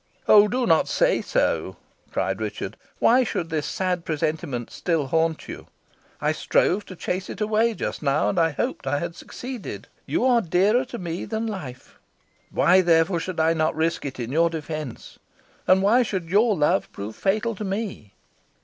"Oh! do not say so," cried Richard. "Why should this sad presentiment still haunt you? I strove to chase it away just now, and hoped I had succeeded. You are dearer to me than life. Why, therefore, should I not risk it in your defence? And why should your love prove fatal to me?"